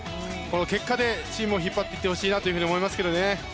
結果でチームを引っ張っていってほしいなと思いますけどね。